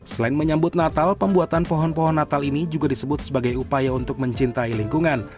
selain menyambut natal pembuatan pohon pohon natal ini juga disebut sebagai upaya untuk mencintai lingkungan